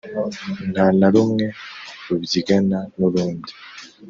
Nta na rumwe rubyigana n’urundi,